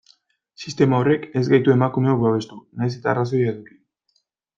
Sistema horrek ez gaitu emakumeok babestu, nahiz eta arrazoia eduki.